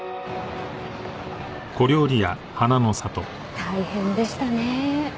大変でしたねぇ。